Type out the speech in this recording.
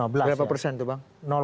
berapa persen itu bang